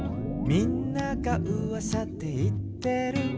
「みんながうわさで言ってる」